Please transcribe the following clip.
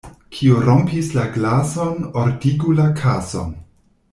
Kiu rompis la glason, ordigu la kason.